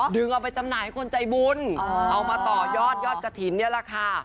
ดึงออกไปจำหน่ายให้คนใจบุญเอามาต่อยอดยอดจถินเนี่ยล่ะค่ะ